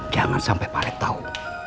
jangan sampe pak alex tau